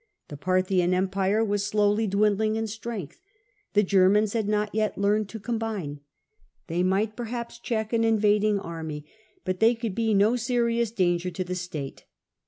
The Parthian Empire was Y CJESAB 338 slowly dwindling in strength ; the Germans had not yet learnt to combine ; they might perhaps check an invad ing army, but they could be no serious danger to the state.